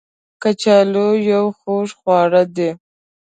کچالو یو خوږ خواړه دی